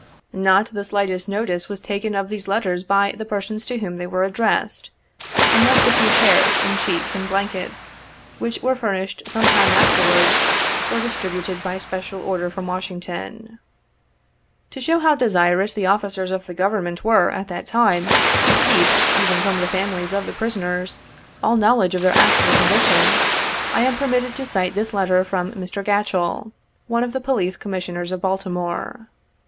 Not the slightest notice was taken of these letters by the persons to whom they were addressed, unless the few chairs, and sheets, and blankets, which were furnished some time afterwards, were distributed by special order from Washington. To show how desirous the officers of the Government were, at that time, to keep, even from the families of the prisoners, all knowledge of their actual condition, I am permitted to cite this letter from Mr. Gatchell, one of the Police Commissioners of Baltimore.